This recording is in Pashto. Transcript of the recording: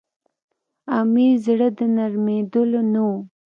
امیر زړه د نرمېدلو نه وو.